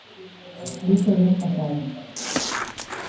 Díxoo ben Caxade.